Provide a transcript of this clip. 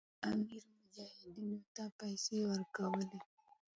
د کابل امیر مجاهدینو ته پیسې ورکولې.